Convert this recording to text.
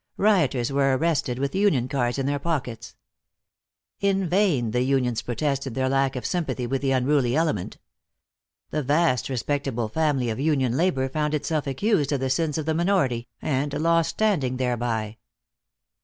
Rioters were arrested with union cards in their pockets. In vain the unions protested their lack of sympathy with the unruly element. The vast respectable family of union labor found itself accused of the sins of the minority, and lost standing thereby.